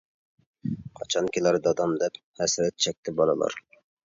قاچان كېلەر دادام دەپ، ھەسرەت چەكتى بالىلار.